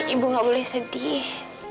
ibu gak boleh sedih